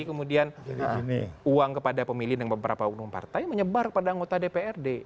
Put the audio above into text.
jadi kemudian uang kepada pemilih dan beberapa umum partai menyebar kepada anggota dprd